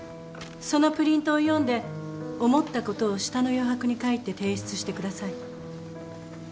そのプリントを読んで思ったことを下の余白に書いて提出してください。